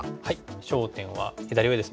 焦点は左上ですね。